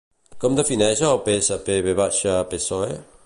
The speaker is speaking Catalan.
Com defineix el PSPV-PSOE?